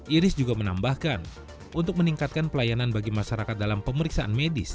iris juga menambahkan untuk meningkatkan pelayanan bagi masyarakat dalam pemeriksaan medis